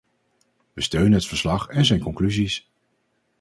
Wij steunen het verslag en zijn conclusies.